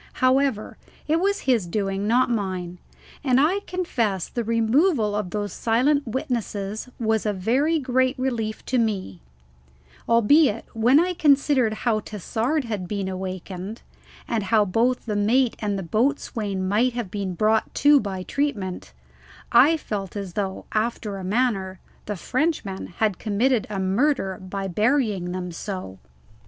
However, it was his doing, not mine; and I confess the removal of those silent witnesses was a very great relief to me, albeit when I considered how Tassard had been awakened, and how both the mate and the boatswain might have been brought to by treatment, I felt as though, after a manner, the Frenchman had committed a murder by burying them so.